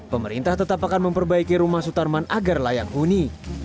pemerintah tetap akan memperbaiki rumah sutarman agar layak huni